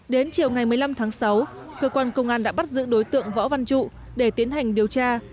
đến chiều ngày một mươi năm tháng sáu cơ quan công an đã bắt giữ đối tượng võ văn trụ để tiến hành điều tra